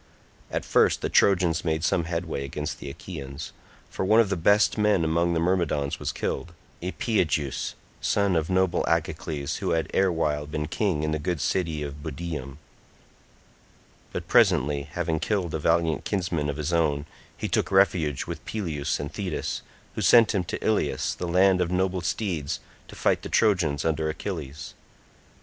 At first the Trojans made some headway against the Achaeans, for one of the best men among the Myrmidons was killed, Epeigeus, son of noble Agacles who had erewhile been king in the good city of Budeum; but presently, having killed a valiant kinsman of his own, he took refuge with Peleus and Thetis, who sent him to Ilius the land of noble steeds to fight the Trojans under Achilles.